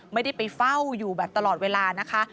ไม่ได้ไปเฝ้าอยู่แบบตลอดเวลานะคะ